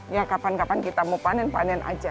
ya kapan kapan kita mau panen panen aja